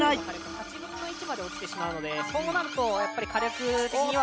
８分の１まで落ちてしまうのでそうなるとやっぱり火力的には。